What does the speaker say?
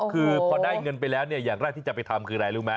คือพอได้เงินไปแล้วเนี่ยอย่างแรกที่จะไปทำคืออะไรรู้ไหม